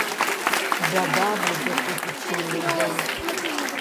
Бяда будзе тут усім людзям.